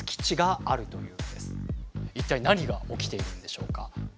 一体何が起きているんでしょうか？